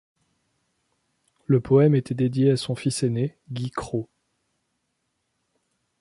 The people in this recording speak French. Le poème était dédié à son fils aîné, Guy Cros.